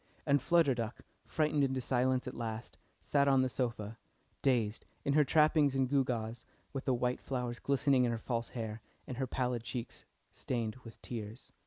And Flutter Duck, frightened into silence at last, sat on the sofa, dazed, in her trappings and gewgaws, with the white flowers glistening in her false hair, and her pallid cheeks stained with tears.